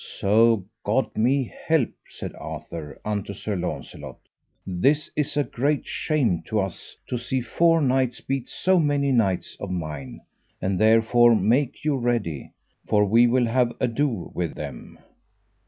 So God me help, said Arthur unto Sir Launcelot, this is a great shame to us to see four knights beat so many knights of mine; and therefore make you ready, for we will have ado with them.